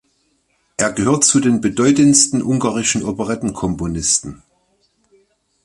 Er gehört zu den bedeutendsten ungarischen Operettenkomponisten.